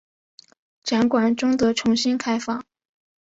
展馆终得重新开放。